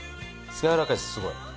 やわらかいですすごい。